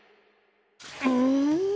うん。